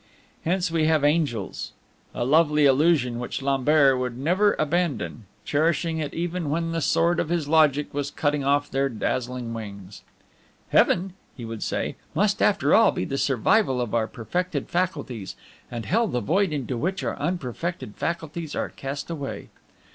Hence we have angels! A lovely illusion which Lambert would never abandon, cherishing it even when the sword of his logic was cutting off their dazzling wings. "Heaven," he would say, "must, after all, be the survival of our perfected faculties, and hell the void into which our unperfected faculties are cast away."